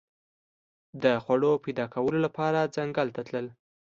د خوړو پیدا کولو لپاره ځنګل تلل.